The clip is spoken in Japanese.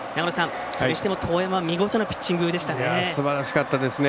それにしても當山見事なピッチングでしたね。